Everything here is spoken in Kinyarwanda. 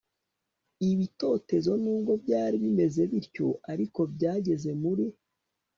ibitotezo Nubwo byari bimeze bityo ariko byageze muri